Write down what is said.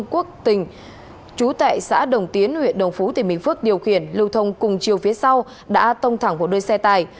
quốc tình chú tại xã đồng tiến huyện đồng phú tỉnh bình phước điều khiển lưu thông cùng chiều phía sau đã tông thẳng vào đuôi xe tài